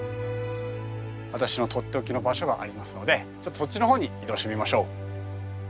私のとっておきの場所がありますのでちょっとそっちの方に移動してみましょう。